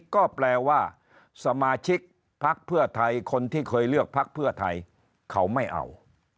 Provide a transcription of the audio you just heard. ก็แปลว่าสมาชิกพักเพื่อไทยคนที่เคยเลือกพักเพื่อไทยเขาไม่เอา